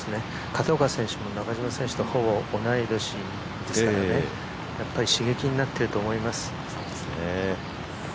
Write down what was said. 片岡選手も中島選手とほぼ同い年ですからやっぱり刺激になっていると思います。